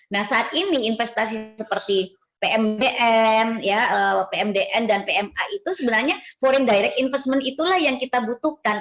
nah saat ini investasi seperti pmdn pmdn dan pma itu sebenarnya foreign direct investment itulah yang kita butuhkan